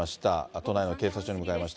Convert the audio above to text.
都内の警察署に向かいました。